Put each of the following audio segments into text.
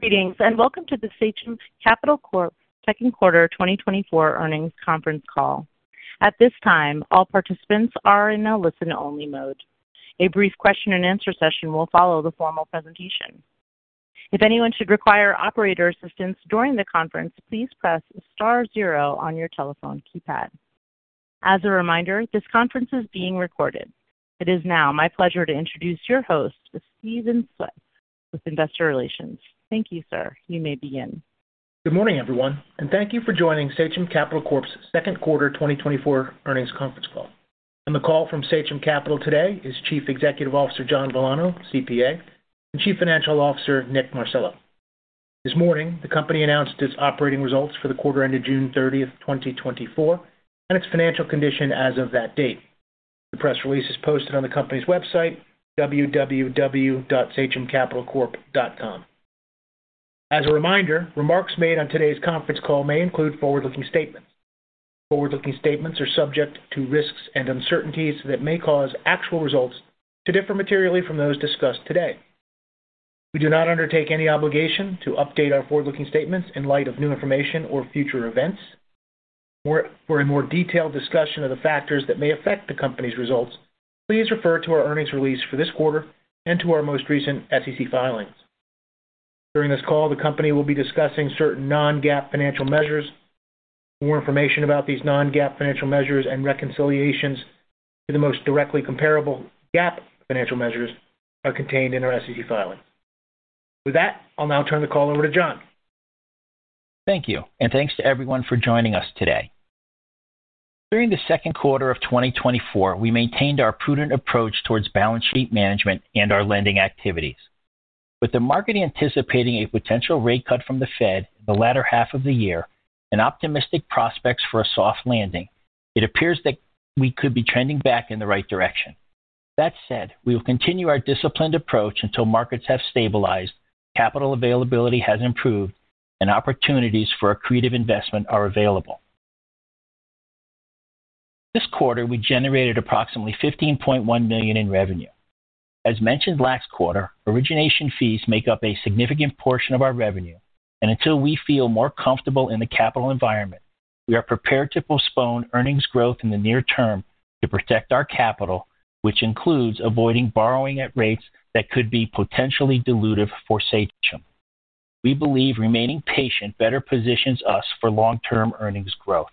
Greetings, and welcome to the Sachem Capital Corp. second quarter 2024 earnings conference call. At this time, all participants are in a listen-only mode. A brief question and answer session will follow the formal presentation. If anyone should require operator assistance during the conference, please press star zero on your telephone keypad. As a reminder, this conference is being recorded. It is now my pleasure to introduce your host, Stephen Swett, with Investor Relations. Thank you, sir. You may begin. Good morning, everyone, and thank you for joining Sachem Capital Corp's second quarter 2024 earnings conference call. On the call from Sachem Capital today is Chief Executive Officer John Villano, CPA, and Chief Financial Officer Nick Marcello. This morning, the company announced its operating results for the quarter ended June 30, 2024, and its financial condition as of that date. The press release is posted on the company's website, www.sachemcapitalcorp.com. As a reminder, remarks made on today's conference call may include forward-looking statements. Forward-looking statements are subject to risks and uncertainties that may cause actual results to differ materially from those discussed today. We do not undertake any obligation to update our forward-looking statements in light of new information or future events. For a more detailed discussion of the factors that may affect the company's results, please refer to our earnings release for this quarter and to our most recent SEC filings. During this call, the company will be discussing certain non-GAAP financial measures. More information about these non-GAAP financial measures and reconciliations to the most directly comparable GAAP financial measures are contained in our SEC filing. With that, I'll now turn the call over to John. Thank you, and thanks to everyone for joining us today. During the second quarter of 2024, we maintained our prudent approach towards balance sheet management and our lending activities. With the market anticipating a potential rate cut from the Fed in the latter half of the year and optimistic prospects for a soft landing, it appears that we could be trending back in the right direction. That said, we will continue our disciplined approach until markets have stabilized, capital availability has improved, and opportunities for accretive investment are available. This quarter, we generated approximately $15.1 million in revenue. As mentioned last quarter, origination fees make up a significant portion of our revenue, and until we feel more comfortable in the capital environment, we are prepared to postpone earnings growth in the near term to protect our capital, which includes avoiding borrowing at rates that could be potentially dilutive for Sachem. We believe remaining patient better positions us for long-term earnings growth.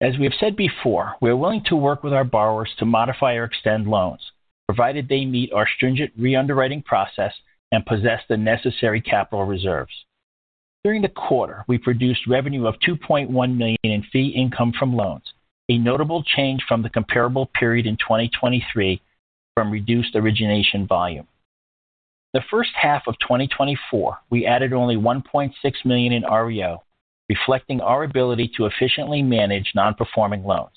As we have said before, we are willing to work with our borrowers to modify or extend loans, provided they meet our stringent re-underwriting process and possess the necessary capital reserves. During the quarter, we produced revenue of $2.1 million in fee income from loans, a notable change from the comparable period in 2023 from reduced origination volume. The first half of 2024, we added only $1.6 million in REO, reflecting our ability to efficiently manage non-performing loans.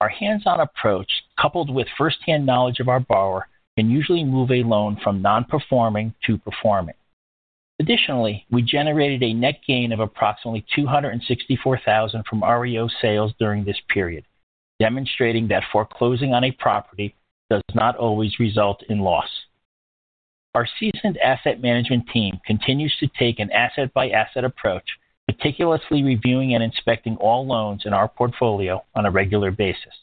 Our hands-on approach, coupled with firsthand knowledge of our borrower, can usually move a loan from non-performing to performing. Additionally, we generated a net gain of approximately $264,000 from REO sales during this period, demonstrating that foreclosing on a property does not always result in loss. Our seasoned asset management team continues to take an asset-by-asset approach, meticulously reviewing and inspecting all loans in our portfolio on a regular basis.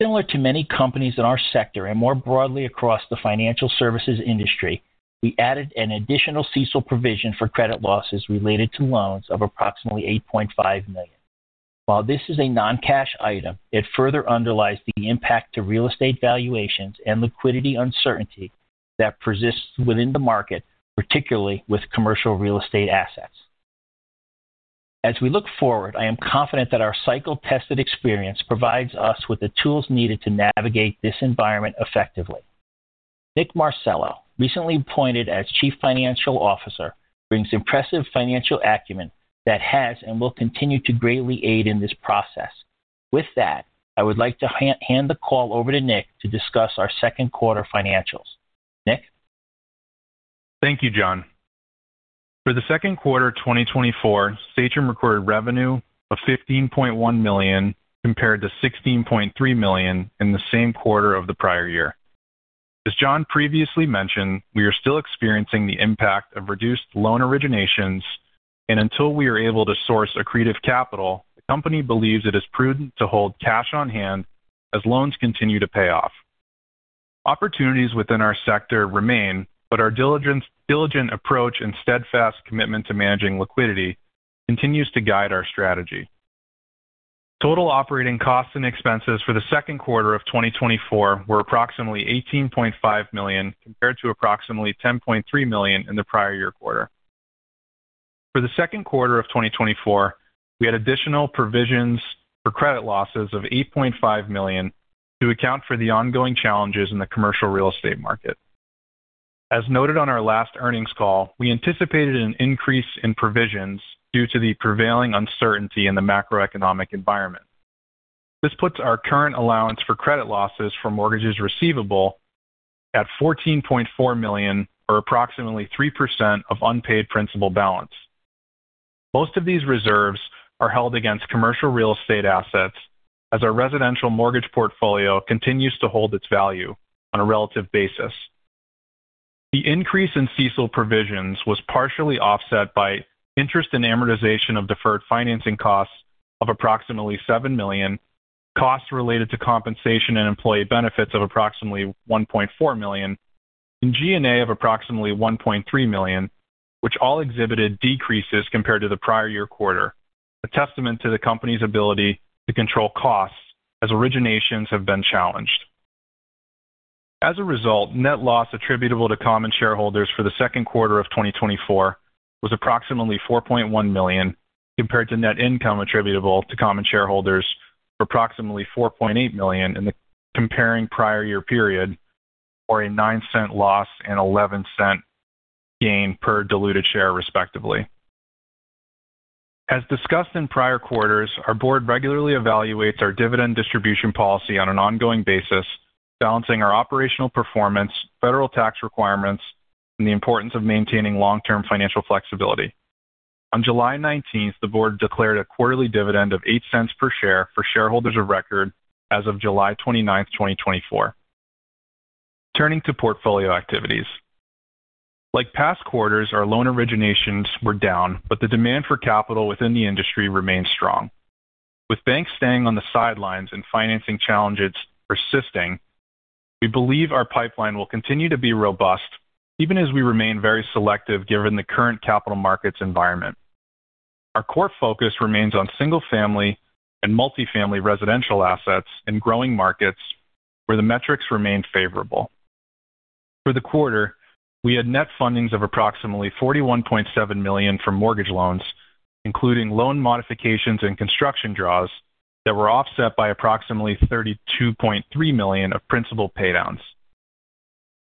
Similar to many companies in our sector and more broadly across the financial services industry, we added an additional CECL provision for credit losses related to loans of approximately $8.5 million. While this is a non-cash item, it further underlies the impact to real estate valuations and liquidity uncertainty that persists within the market, particularly with commercial real estate assets. As we look forward, I am confident that our cycle-tested experience provides us with the tools needed to navigate this environment effectively. Nick Marcello, recently appointed as Chief Financial Officer, brings impressive financial acumen that has and will continue to greatly aid in this process. With that, I would like to hand the call over to Nick to discuss our second quarter financials. Nick? Thank you, John. For the second quarter of 2024, Sachem recorded revenue of $15.1 million, compared to $16.3 million in the same quarter of the prior year. As John previously mentioned, we are still experiencing the impact of reduced loan originations, and until we are able to source accretive capital, the company believes it is prudent to hold cash on hand as loans continue to pay off. Opportunities within our sector remain, but our diligent approach and steadfast commitment to managing liquidity continues to guide our strategy. Total operating costs and expenses for the second quarter of 2024 were approximately $18.5 million, compared to approximately $10.3 million in the prior year quarter. For the second quarter of 2024, we had additional provisions for credit losses of $8.5 million to account for the ongoing challenges in the commercial real estate market. As noted on our last earnings call, we anticipated an increase in provisions due to the prevailing uncertainty in the macroeconomic environment. This puts our current allowance for credit losses for mortgages receivable at $14.4 million or approximately 3% of unpaid principal balance. Most of these reserves are held against commercial real estate assets as our residential mortgage portfolio continues to hold its value on a relative basis. The increase in CECL provisions was partially offset by interest and amortization of deferred financing costs of approximately $7 million, costs related to compensation and employee benefits of approximately $1.4 million, and G&A of approximately $1.3 million, which all exhibited decreases compared to the prior year quarter, a testament to the company's ability to control costs as originations have been challenged. As a result, net loss attributable to common shareholders for the second quarter of 2024 was approximately $4.1 million, compared to net income attributable to common shareholders of approximately $4.8 million in the comparable prior year period, or a $0.09 loss and $0.11 gain per diluted share, respectively. As discussed in prior quarters, our board regularly evaluates our dividend distribution policy on an ongoing basis, balancing our operational performance, federal tax requirements, and the importance of maintaining long-term financial flexibility. On July 19, the board declared a quarterly dividend of $0.08 per share for shareholders of record as of July 29, 2024. Turning to portfolio activities. Like past quarters, our loan originations were down, but the demand for capital within the industry remains strong. With banks staying on the sidelines and financing challenges persisting, we believe our pipeline will continue to be robust, even as we remain very selective given the current capital markets environment. Our core focus remains on single-family and multifamily residential assets in growing markets where the metrics remain favorable. For the quarter, we had net fundings of approximately $41.7 million from mortgage loans, including loan modifications and construction draws that were offset by approximately $32.3 million of principal paydowns.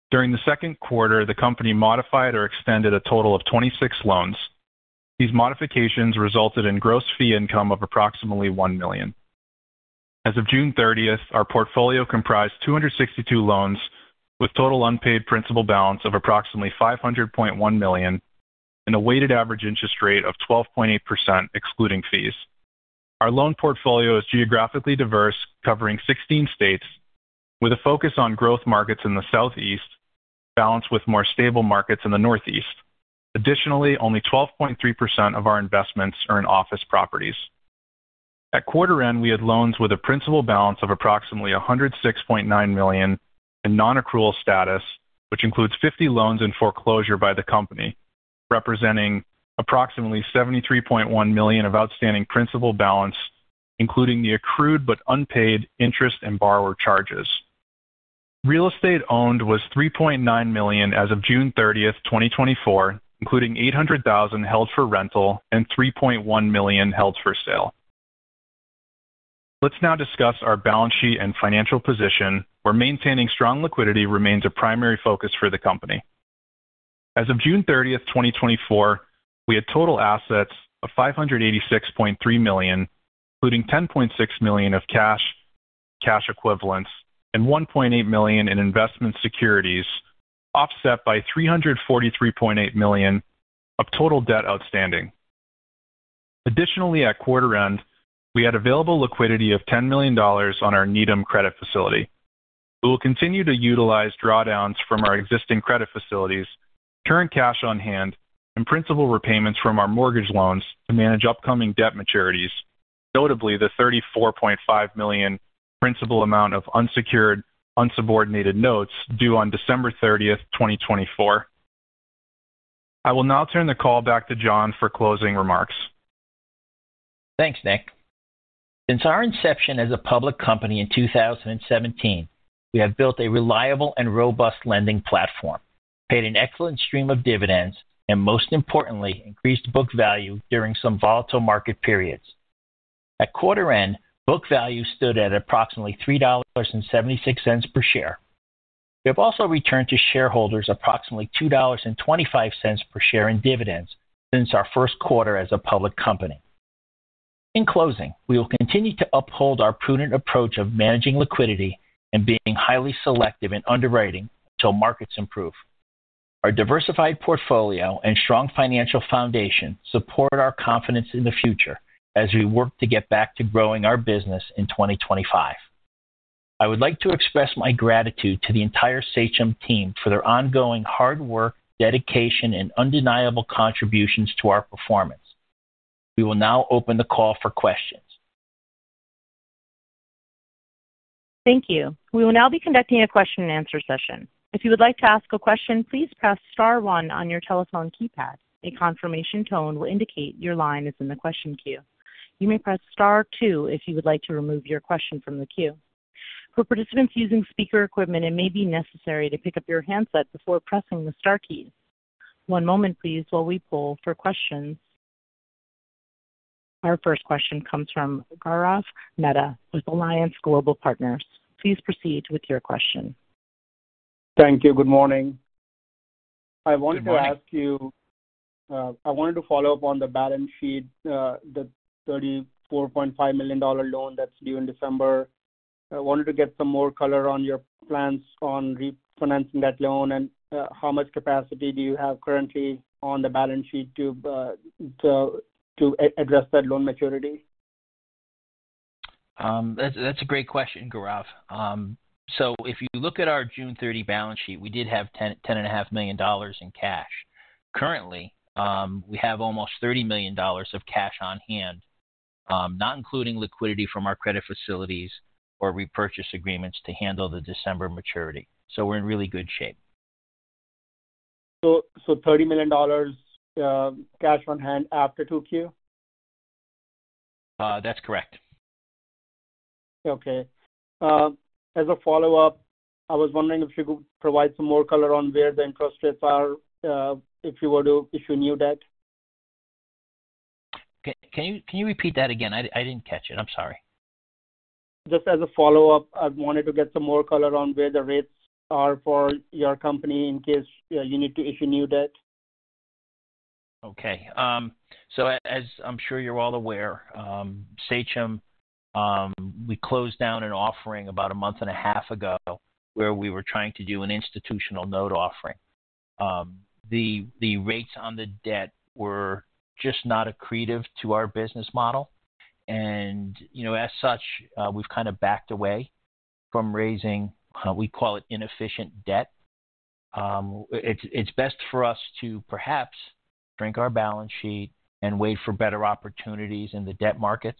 During the second quarter, the company modified or extended a total of 26 loans. These modifications resulted in gross fee income of approximately $1 million. As of June 30, our portfolio comprised 262 loans, with total unpaid principal balance of approximately $500.1 million and a weighted average interest rate of 12.8%, excluding fees. Our loan portfolio is geographically diverse, covering 16 states, with a focus on growth markets in the Southeast, balanced with more stable markets in the Northeast. Additionally, only 12.3% of our investments are in office properties. At quarter end, we had loans with a principal balance of approximately $106.9 million in non-accrual status, which includes 50 loans in foreclosure by the company, representing approximately $73.1 million of outstanding principal balance, including the accrued but unpaid interest and borrower charges. Real estate owned was $3.9 million as of June 30, 2024, including $800,000 held for rental and $3.1 million held for sale. Let's now discuss our balance sheet and financial position, where maintaining strong liquidity remains a primary focus for the company. As of June 30, 2024, we had total assets of $586.3 million, including $10.6 million of cash, cash equivalents, and $1.8 million in investment securities, offset by $343.8 million of total debt outstanding. Additionally, at quarter end, we had available liquidity of $10 million on our Needham Credit Facility. We will continue to utilize drawdowns from our existing credit facilities, current cash on hand, and principal repayments from our mortgage loans to manage upcoming debt maturities, notably the $34.5 million principal amount of Unsecured Unsubordinated Notes due on December thirtieth, 2024. I will now turn the call back to John for closing remarks. Thanks, Nick. Since our inception as a public company in 2017, we have built a reliable and robust lending platform, paid an excellent stream of dividends, and most importantly, increased book value during some volatile market periods. At quarter end, book value stood at approximately $3.76 per share. We have also returned to shareholders approximately $2.25 per share in dividends since our first quarter as a public company. In closing, we will continue to uphold our prudent approach of managing liquidity and being highly selective in underwriting until markets improve. Our diversified portfolio and strong financial foundation support our confidence in the future as we work to get back to growing our business in 2025. I would like to express my gratitude to the entire Sachem team for their ongoing hard work, dedication, and undeniable contributions to our performance. We will now open the call for questions. Thank you. We will now be conducting a question-and-answer session. If you would like to ask a question, please press star one on your telephone keypad. A confirmation tone will indicate your line is in the question queue. You may press star two if you would like to remove your question from the queue. For participants using speaker equipment, it may be necessary to pick up your handset before pressing the star key. One moment please while we poll for questions. Our first question comes from Gaurav Mehta with Alliance Global Partners. Please proceed with your question. Thank you. Good morning. I wanted to ask you, I wanted to follow up on the balance sheet, the $34.5 million loan that's due in December. I wanted to get some more color on your plans on refinancing that loan, and how much capacity do you have currently on the balance sheet to address that loan maturity? That's, that's a great question, Gaurav. So if you look at our June 30 balance sheet, we did have $10.5 million in cash. Currently, we have almost $30 million of cash on hand, not including liquidity from our credit facilities or repurchase agreements to handle the December maturity. So we're in really good shape. $30 million cash on hand after 2Q? That's correct. Okay. As a follow-up, I was wondering if you could provide some more color on where the interest rates are, if you knew that? Can you repeat that again? I didn't catch it. I'm sorry. Just as a follow-up, I wanted to get some more color on where the rates are for your company in case you need to issue new debt. Okay. So as I'm sure you're all aware, Sachem, we closed down an offering about a month and a half ago, where we were trying to do an institutional note offering. The rates on the debt were just not accretive to our business model. And, you know, as such, we've kind of backed away from raising, we call it inefficient debt. It's best for us to perhaps shrink our balance sheet and wait for better opportunities in the debt markets.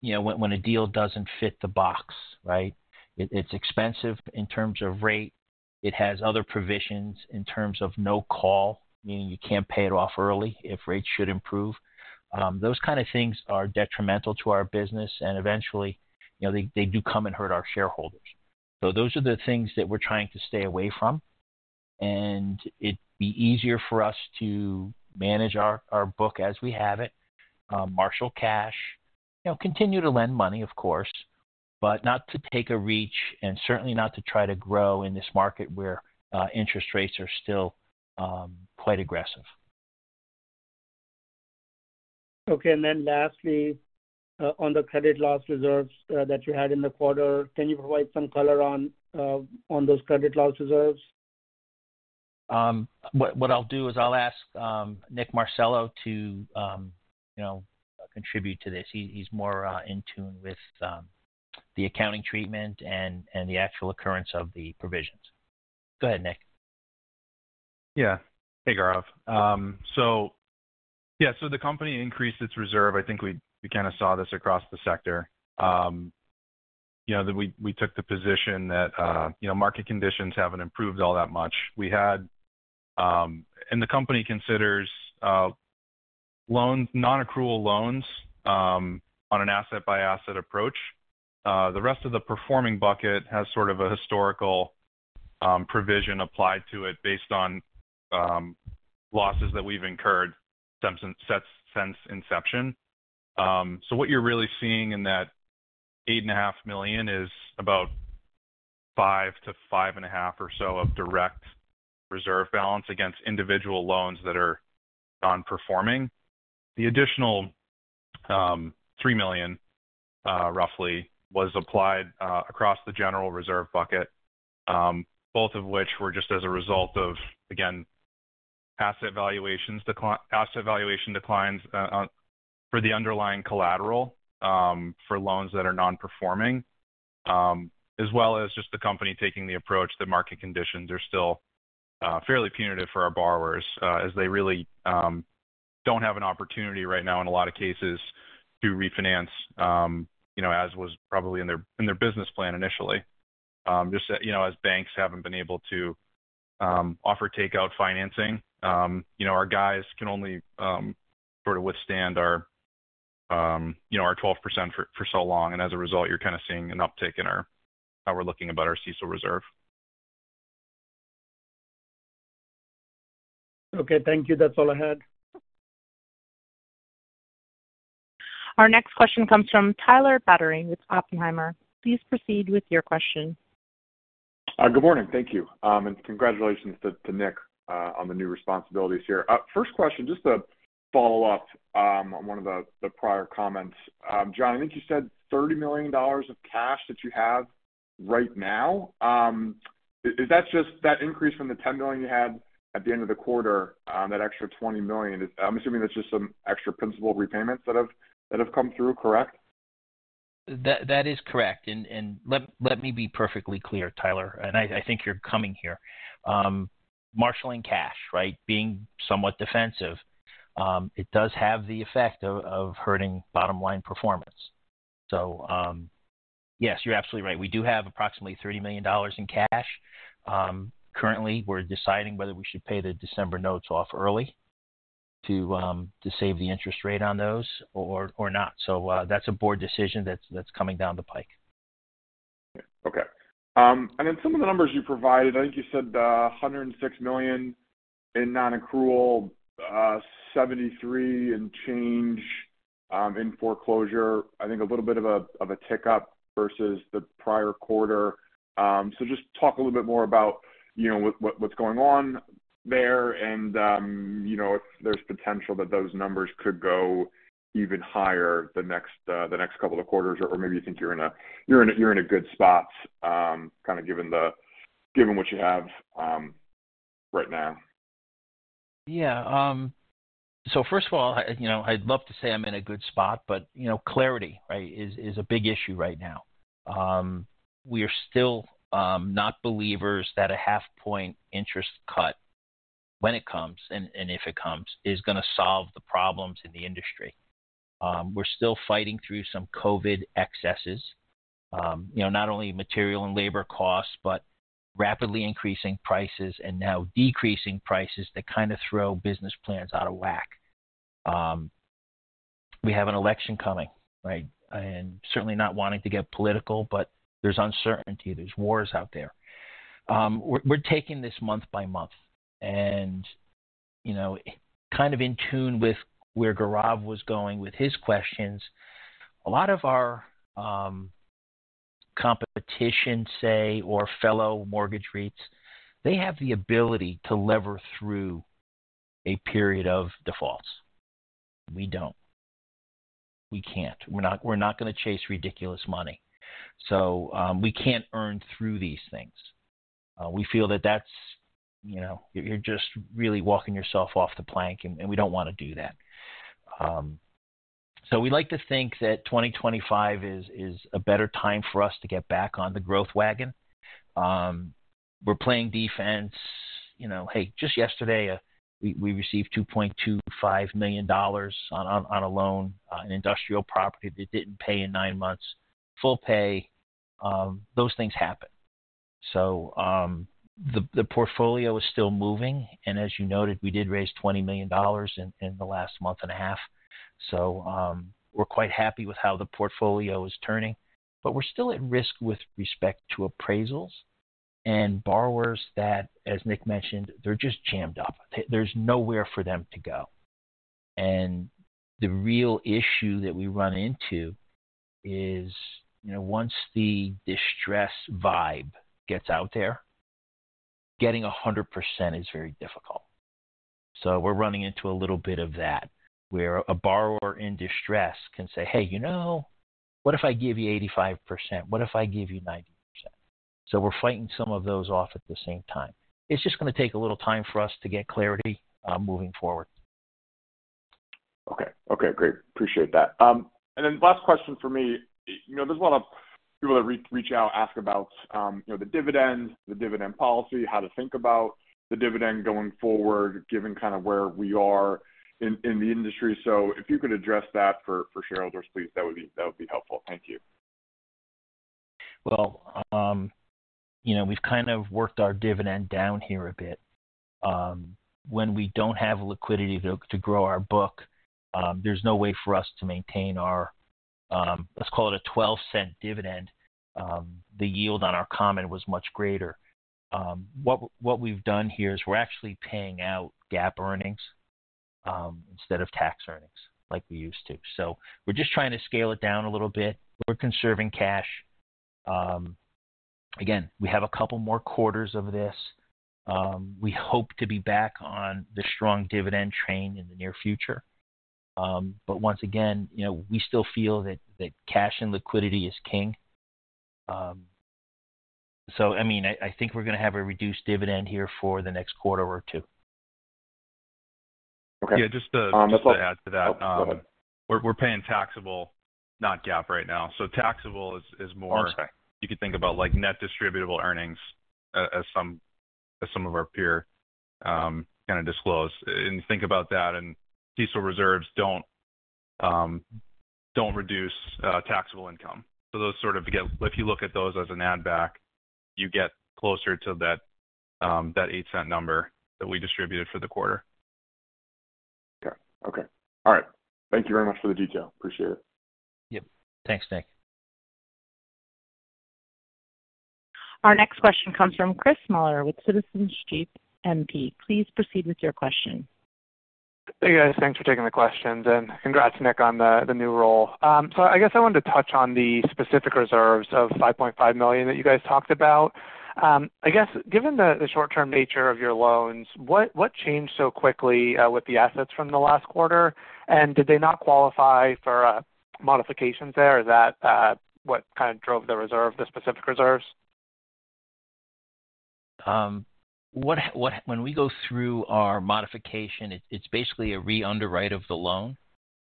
You know, when a deal doesn't fit the box, right, it's expensive in terms of rate. It has other provisions in terms of no call, meaning you can't pay it off early if rates should improve. Those kind of things are detrimental to our business, and eventually, you know, they do come and hurt our shareholders. So those are the things that we're trying to stay away from, and it'd be easier for us to manage our book as we have it, marshal cash, you know, continue to lend money, of course, but not to take a reach, and certainly not to try to grow in this market where interest rates are still quite aggressive. Okay, and then lastly, on the credit loss reserves that you had in the quarter, can you provide some color on those credit loss reserves? What I'll do is I'll ask Nick Marcello to, you know, contribute to this. He's more in tune with the accounting treatment and the actual occurrence of the provisions. Go ahead, Nick. Yeah. Hey, Gaurav. So yeah, so the company increased its reserve. I think we kind of saw this across the sector. You know, that we took the position that, you know, market conditions haven't improved all that much. We had, and the company considers loans, non-accrual loans, on an asset-by-asset approach. The rest of the performing bucket has sort of a historical provision applied to it based on losses that we've incurred since inception. So what you're really seeing in that $8.5 million is about $5-$5.5 million or so of direct reserve balance against individual loans that are non-performing. The additional, three million, roughly, was applied across the general reserve bucket, both of which were just as a result of, again, asset valuation declines on, for the underlying collateral for loans that are non-performing. As well as just the company taking the approach that market conditions are still, fairly punitive for our borrowers, as they really don't have an opportunity right now in a lot of cases to refinance, you know, as was probably in their, in their business plan initially. Just that, you know, as banks haven't been able to offer takeout financing, you know, our guys can only sort of withstand our, you know, our 12% for so long, and as a result, you're kind of seeing an uptick in our, how we're looking about our CECL reserve. Okay, thank you. That's all I had. Our next question comes from Tyler Batory with Oppenheimer. Please proceed with your question. Good morning. Thank you. And congratulations to Nick on the new responsibilities here. First question, just to follow up on one of the prior comments. John, I think you said $30 million of cash that you have right now. Is that just that increase from the $10 million you had at the end of the quarter, that extra $20 million? I'm assuming that's just some extra principal repayments that have come through, correct? That is correct. And let me be perfectly clear, Tyler, and I think you're coming here. Marshaling cash, right? Being somewhat defensive, it does have the effect of hurting bottom line performance. So, yes, you're absolutely right. We do have approximately $30 million in cash. Currently, we're deciding whether we should pay the December notes off early to save the interest rate on those or not. So, that's a board decision that's coming down the pike. Okay. And then some of the numbers you provided, I think you said, $106 million in non-accrual, $73 million and change in foreclosure. I think a little bit of a tick-up versus the prior quarter. So just talk a little bit more about, you know, what's going on there, and, you know, if there's potential that those numbers could go even higher the next, the next couple of quarters, or maybe you think you're in a good spot, kind of given what you have right now. Yeah. So first of all, you know, I'd love to say I'm in a good spot, but, you know, clarity, right, is a big issue right now. We are still not believers that a half point interest cut, when it comes and if it comes, is gonna solve the problems in the industry. We're still fighting through some COVID excesses, you know, not only material and labor costs, but rapidly increasing prices and now decreasing prices that kind of throw business plans out of whack. We have an election coming, right? And certainly not wanting to get political, but there's uncertainty. There's wars out there. We're taking this month by month, and, you know, kind of in tune with where Gaurav was going with his questions. A lot of our, competition, say, or fellow mortgage REITs, they have the ability to lever through a period of defaults. We don't. We can't. We're not, we're not gonna chase ridiculous money, so, we can't earn through these things. We feel that that's, you know, you're just really walking yourself off the plank, and, and we don't wanna do that. So we like to think that 2025 is, is a better time for us to get back on the growth wagon. We're playing defense. You know, hey, just yesterday, we, we received $2.25 million on, on, on a loan, an industrial property that didn't pay in nine months. Full pay. Those things happen. So, the portfolio is still moving, and as you noted, we did raise $20 million in the last month and a half. So, we're quite happy with how the portfolio is turning, but we're still at risk with respect to appraisals and borrowers that, as Nick mentioned, they're just jammed up. There's nowhere for them to go. The real issue that we run into is, you know, once the distress vibe gets out there, getting 100% is very difficult. So we're running into a little bit of that, where a borrower in distress can say, "Hey, you know, what if I give you 85%? What if I give you 90%?" So we're fighting some of those off at the same time. It's just gonna take a little time for us to get clarity moving forward. Okay. Okay, great. Appreciate that. And then last question for me. You know, there's a lot of people that reach out, ask about, you know, the dividends, the dividend policy, how to think about the dividend going forward, given kind of where we are in the industry. So if you could address that for shareholders, please, that would be, that would be helpful. Thank you. Well, you know, we've kind of worked our dividend down here a bit. When we don't have liquidity to grow our book, there's no way for us to maintain our, let's call it a $0.12 dividend. The yield on our common was much greater. What we've done here is we're actually paying out GAAP earnings, instead of tax earnings like we used to. So we're just trying to scale it down a little bit. We're conserving cash. Again, we have a couple more quarters of this. We hope to be back on the strong dividend train in the near future. But once again, you know, we still feel that cash and liquidity is king. So I mean, I think we're gonna have a reduced dividend here for the next quarter or two. Okay. Yeah, just to add to that. We're paying taxable, not GAAP right now. So taxable is more. You could think about, like, net distributable earnings, as some of our peers kind of disclose. And think about that, and these reserves don't reduce taxable income. So those sort of get... If you look at those as an add back, you get closer to that $0.08 number that we distributed for the quarter. Okay. Okay. All right. Thank you very much for the detail. Appreciate it. Yep. Thanks, Nick. Our next question comes from Chris Muller with Citizens JMP. Please proceed with your question. Hey, guys. Thanks for taking the questions, and congrats, Nick, on the new role. So I guess I wanted to touch on the specific reserves of $5.5 million that you guys talked about. I guess, given the short-term nature of your loans, what changed so quickly with the assets from the last quarter? And did they not qualify for modifications there? Is that what kind of drove the reserve, the specific reserves? When we go through our modification, it's basically a re-underwrite of the loan.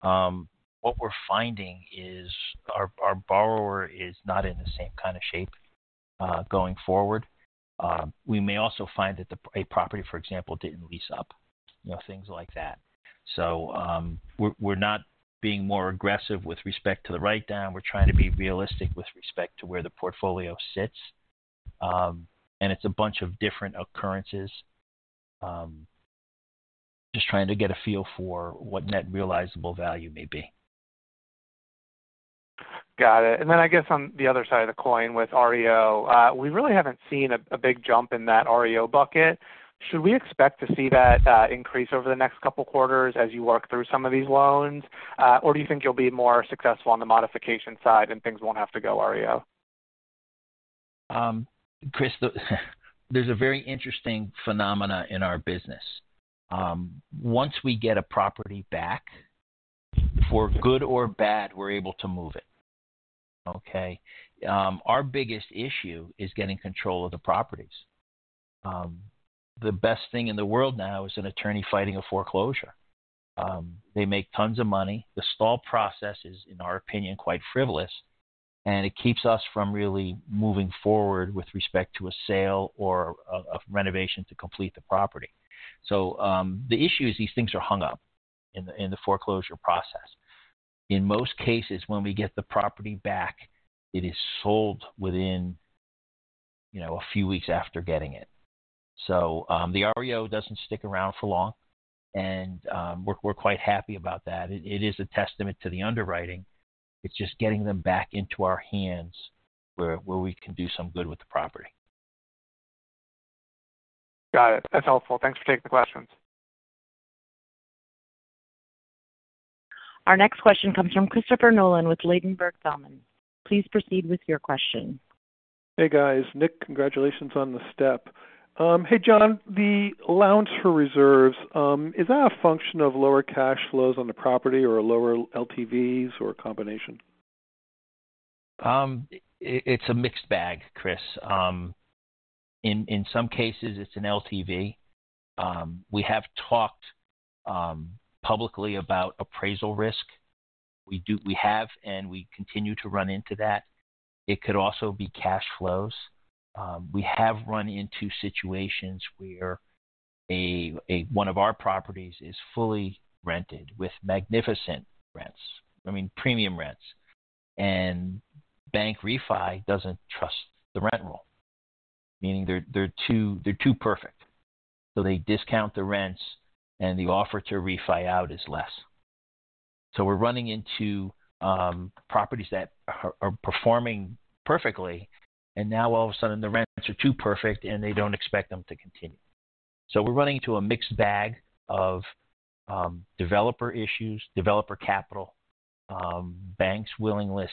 What we're finding is our borrower is not in the same kind of shape going forward. We may also find that a property, for example, didn't lease up, you know, things like that. So, we're not being more aggressive with respect to the write-down. We're trying to be realistic with respect to where the portfolio sits. And it's a bunch of different occurrences, just trying to get a feel for what net realizable value may be. Got it. And then I guess on the other side of the coin with REO, we really haven't seen a big jump in that REO bucket. Should we expect to see that increase over the next couple quarters as you work through some of these loans? Or do you think you'll be more successful on the modification side and things won't have to go REO? Chris, there's a very interesting phenomenon in our business. Once we get a property back, for good or bad, we're able to move it. Okay? Our biggest issue is getting control of the properties. The best thing in the world now is an attorney fighting a foreclosure. They make tons of money. The stall process is, in our opinion, quite frivolous, and it keeps us from really moving forward with respect to a sale or a renovation to complete the property. So, the issue is these things are hung up in the foreclosure process. In most cases, when we get the property back, it is sold within, you know, a few weeks after getting it. So, the REO doesn't stick around for long, and we're quite happy about that. It is a testament to the underwriting. It's just getting them back into our hands, where we can do some good with the property. Got it. That's helpful. Thanks for taking the questions. Our next question comes from Christopher Nolan with Ladenburg Thalmann. Please proceed with your question. Hey, guys. Nick, congratulations on the step. Hey, John, the allowance for reserves, is that a function of lower cash flows on the property or lower LTVs or a combination? It's a mixed bag, Chris. In some cases it's an LTV. We have talked publicly about appraisal risk. We have, and we continue to run into that. It could also be cash flows. We have run into situations where one of our properties is fully rented with magnificent rents, I mean, premium rents, and bank refi doesn't trust the rent roll, meaning they're too perfect, so they discount the rents, and the offer to refi out is less. So we're running into properties that are performing perfectly, and now all of a sudden, the rents are too perfect, and they don't expect them to continue. So we're running into a mixed bag of developer issues, developer capital, banks' willingness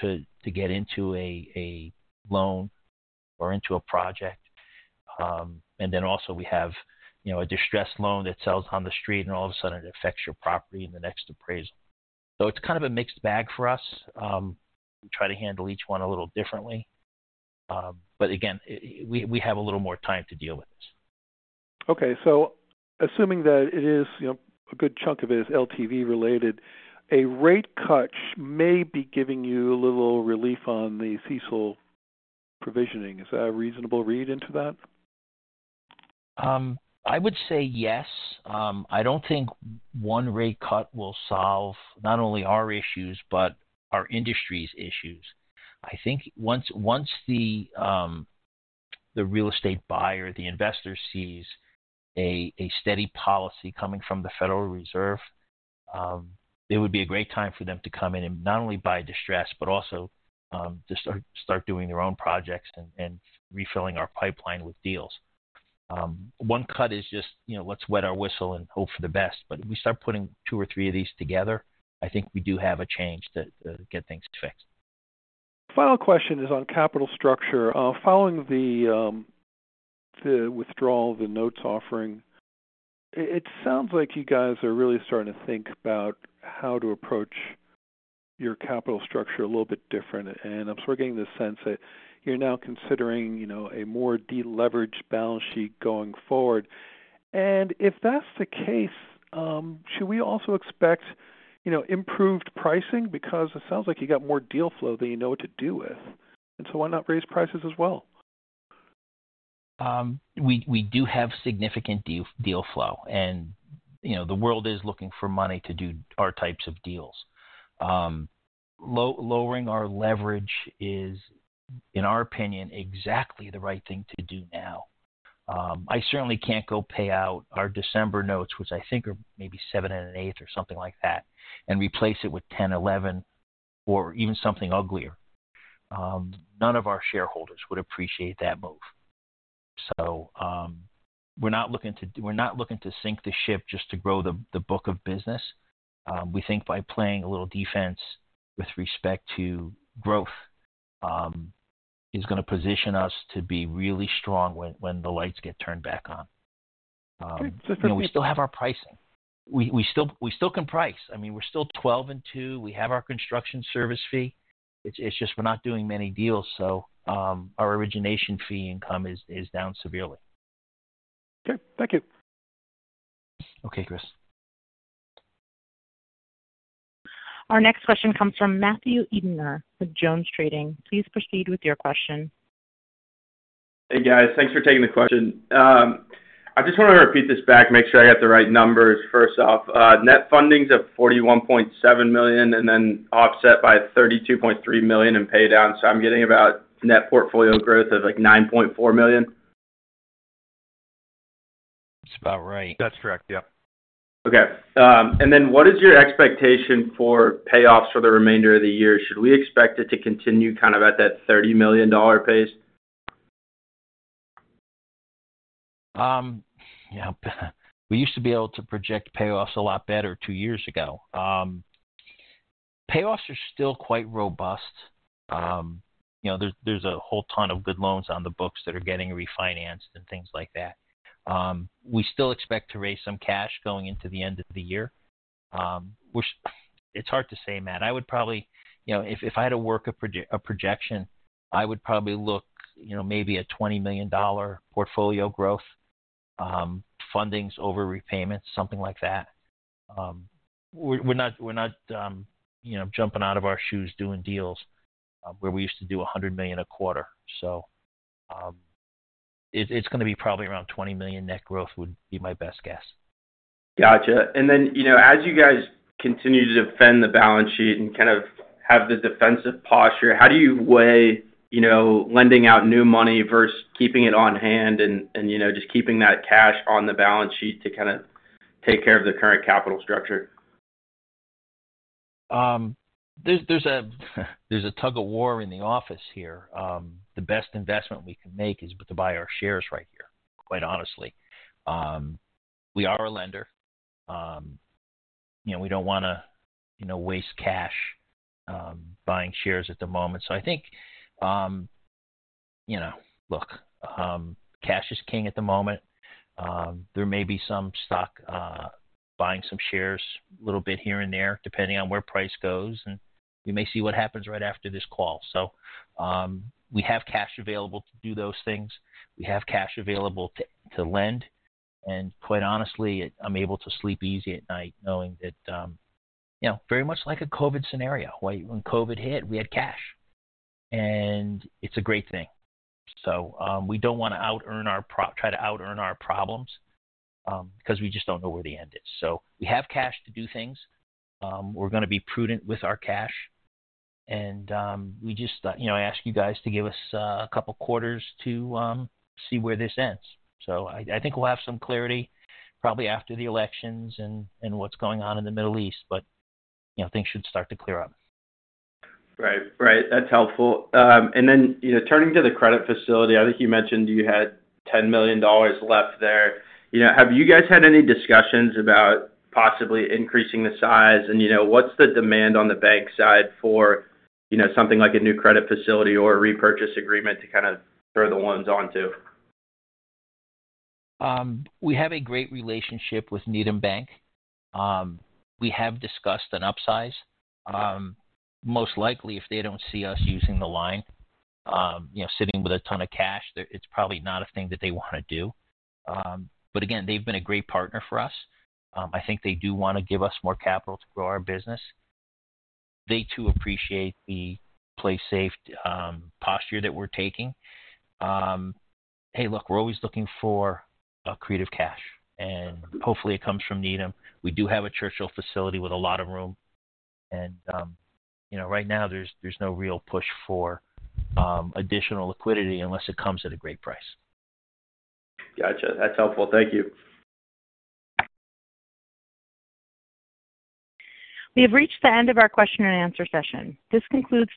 to get into a loan or into a project. And then also we have, you know, a distressed loan that sells on the street, and all of a sudden it affects your property in the next appraisal. So it's kind of a mixed bag for us. We try to handle each one a little differently. But again, we have a little more time to deal with this. Okay, so assuming that it is, you know, a good chunk of it is LTV related, a rate cut may be giving you a little relief on the CECL provisioning. Is that a reasonable read into that? I would say yes. I don't think one rate cut will solve not only our issues, but our industry's issues. I think the real estate buyer, the investor, sees a steady policy coming from the Federal Reserve, it would be a great time for them to come in and not only buy distressed, but also just start doing their own projects and refilling our pipeline with deals. One cut is just, you know, let's wet our whistle and hope for the best. But if we start putting two or three of these together, I think we do have a chance to get things fixed. Final question is on capital structure. Following the withdrawal of the notes offering, it sounds like you guys are really starting to think about how to approach your capital structure a little bit different, and I'm sort of getting the sense that you're now considering, you know, a more de-leveraged balance sheet going forward. If that's the case, should we also expect, you know, improved pricing? Because it sounds like you got more deal flow than you know what to do with, and so why not raise prices as well? We do have significant deal flow, and, you know, the world is looking for money to do our types of deals. Lowering our leverage is, in our opinion, exactly the right thing to do now. I certainly can't go pay out our December notes, which I think are maybe 7 1/8 or something like that, and replace it with 10, 11 or even something uglier. None of our shareholders would appreciate that move. So, we're not looking to sink the ship just to grow the book of business. We think by playing a little defense with respect to growth is gonna position us to be really strong when the lights get turned back on. We still have our pricing. We still can price. I mean, we're still 12 and two. We have our construction service fee. It's just we're not doing many deals, so our origination fee income is down severely. Okay, thank you. Okay, Chris. Our next question comes from Matthew Erdner with JonesTrading. Please proceed with your question. Hey, guys. Thanks for taking the question. I just want to repeat this back, make sure I got the right numbers. First off, net funding's at $41.7 million and then offset by $32.3 million in pay down. So I'm getting about net portfolio growth of, like, $9.4 million. That's about right. That's correct, yep. Okay, and then what is your expectation for payoffs for the remainder of the year? Should we expect it to continue kind of at that $30 million pace?... Yeah, we used to be able to project payoffs a lot better two years ago. Payoffs are still quite robust. You know, there's a whole ton of good loans on the books that are getting refinanced and things like that. We still expect to raise some cash going into the end of the year. Which it's hard to say, Matt. I would probably, you know, if I had to work a projection, I would probably look, you know, maybe a $20 million portfolio growth, fundings over repayments, something like that. We're not, you know, jumping out of our shoes doing deals, where we used to do $100 million a quarter. So, it's gonna be probably around $20 million net growth, would be my best guess. Gotcha. And then, you know, as you guys continue to defend the balance sheet and kind of have the defensive posture, how do you weigh, you know, lending out new money versus keeping it on hand and, you know, just keeping that cash on the balance sheet to kind of take care of the current capital structure? There's a tug-of-war in the office here. The best investment we can make is to buy our shares right here, quite honestly. We are a lender. You know, we don't wanna, you know, waste cash, buying shares at the moment. So I think, you know, look, cash is king at the moment. There may be some stock, buying some shares a little bit here and there, depending on where price goes, and we may see what happens right after this call. So, we have cash available to do those things. We have cash available to lend, and quite honestly, I'm able to sleep easy at night knowing that, you know, very much like a COVID scenario, right? When COVID hit, we had cash, and it's a great thing. So, we don't wanna outearn our problems. Try to outearn our problems, because we just don't know where the end is. So we have cash to do things. We're gonna be prudent with our cash, and we just, you know, I ask you guys to give us a couple of quarters to see where this ends. So I, I think we'll have some clarity probably after the elections and what's going on in the Middle East, but, you know, things should start to clear up. Right. Right, that's helpful. And then, you know, turning to the credit facility, I think you mentioned you had $10 million left there. You know, have you guys had any discussions about possibly increasing the size? And, you know, what's the demand on the bank side for, you know, something like a new credit facility or a repurchase agreement to kind of throw the loans onto? We have a great relationship with Needham Bank. We have discussed an upsize. Most likely, if they don't see us using the line, you know, sitting with a ton of cash, it's probably not a thing that they wanna do. But again, they've been a great partner for us. I think they do wanna give us more capital to grow our business. They, too, appreciate the play safe posture that we're taking. Hey, look, we're always looking for creative cash, and hopefully, it comes from Needham. We do have a Churchill Facility with a lot of room, and you know, right now, there's no real push for additional liquidity unless it comes at a great price. Gotcha. That's helpful. Thank you. We have reached the end of our question and answer session. This concludes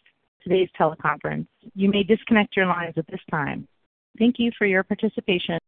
today's teleconference. You may disconnect your lines at this time. Thank you for your participation.